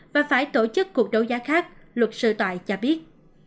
và phải tổ chức cuộc đấu giá khác luật sư tòa cho biết